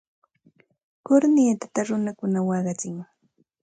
Kurnitata runakuna waqachin.